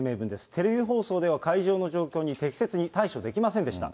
テレビ放送では、会場の状況に適切に対処できませんでした。